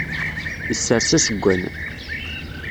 Issers aseggan.